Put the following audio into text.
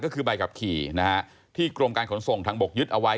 ก็คือใบขับขี่นะฮะที่กรมการขนส่งทางบกยึดเอาไว้